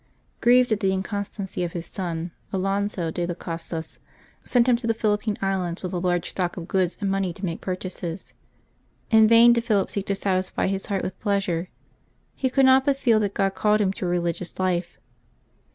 Grieved at the inconstancy of his son, Alonso de las Casas sent him to the Philippine Islands with a large stock of goods and money to make purchases. In vain did Philip seek to satisfy his heart with pleasure. He could not but feel that God called him to a religious life.